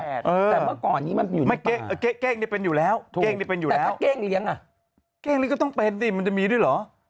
แต่เมื่อก่อนนี้มันอยู่ในป่าเก้งนี้เป็นอยู่แล้วแต่ถ้าเก้งเลี้ยงอ่ะเก้งนี้ก็ต้องเป็นสิมันจะมีด้วยเหรอ